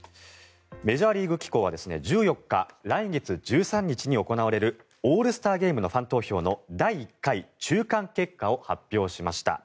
メジャーリーグ機構は１４日来月１３日に行われるオールスターゲームのファン投票の第１回中間結果を発表しました。